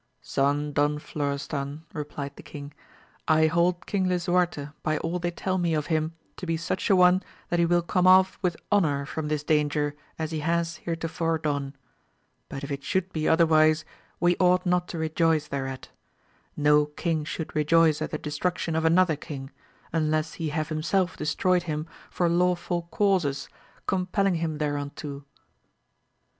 Son Don Florestan, replied the king, I hold King Lisuarte by all they tell me of him to be such a one that he will come off with honour from this danger as he has heretofore done ; but if it should be otherwise we ought not to rejoice thereat ; no king should rejoice at the destruction of another king, un less he have himself destroyed him for lawful causes, 204 AMADIS OF GA UL. compelling him thereunto.